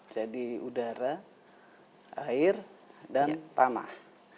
jadi udara air dan tanah